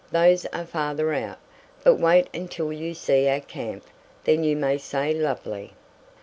Those are farther out. But wait until you see our camp. Then you may say lovely!"